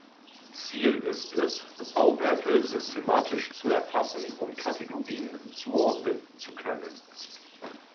Ziel ist es, Bauwerke systematisch zu erfassen und Kategorien zuordnen zu können.